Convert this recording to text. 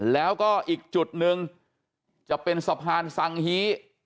แล้วก็อีกจุดหนึ่งจะเป็นสะพานสังฮี